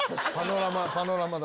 パノラマだ！